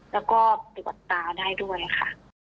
แล้วก็ตรวจตาได้ด้วยค่ะ